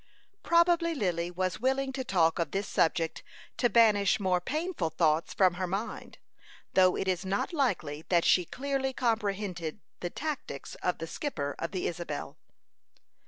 Probably Lily was willing to talk of this subject to banish more painful thoughts from her mind, though it is not likely that she clearly comprehended the tactics of the skipper of the Isabel.